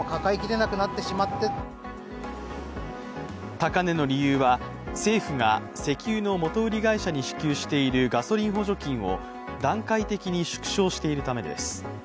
高値の理由は政府が石油の元売り会社に支給しているガソリン補助金を段階的に縮小しているためです。